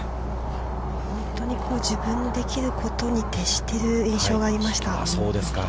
本当に自分のできることに撤している印象がありました。